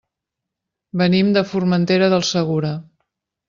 Venim de Formentera del Segura.